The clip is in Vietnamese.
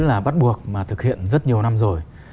là bắt buộc mà thực hiện rất nhiều năm rồi